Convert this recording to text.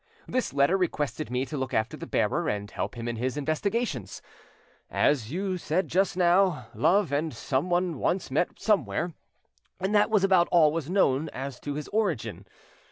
This letter requested me to look after the bearer and help him in his investigations. As you said just now, Love and someone once met somewhere, and that was about all was known as to his origin.